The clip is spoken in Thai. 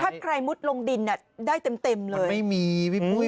ถ้าใครมุดลงดินอ่ะได้เต็มเต็มเลยไม่มีพี่ปุ้ย